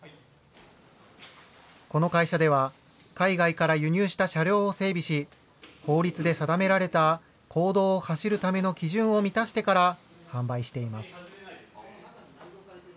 この会社では、海外から輸入した車両を整備し、法律で定められた公道を走るための基準を満たしてから販売しています。